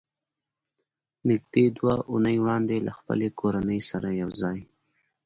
نږدې دوه اوونۍ وړاندې له خپلې کورنۍ سره یو ځای